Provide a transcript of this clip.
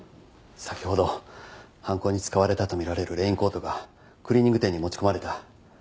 先ほど犯行に使われたとみられるレインコートがクリーニング店に持ち込まれた。